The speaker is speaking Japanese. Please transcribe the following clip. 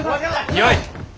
よい！